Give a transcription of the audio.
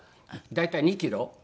大体２キロ。